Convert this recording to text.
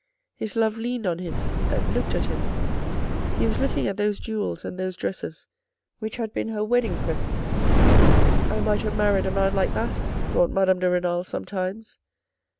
His love leaned on him and looked at him He was looking at those jewels and those dresses which had had been her wedding presents. " I might have married a man like that," thought Madame de Renal sometimes.